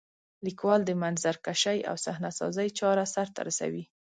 لیکوال د منظرکشۍ او صحنه سازۍ چاره سرته رسوي.